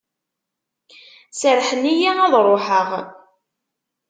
Serrḥen-iyi ad ruḥeɣ.